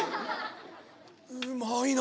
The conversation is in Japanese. うまいな！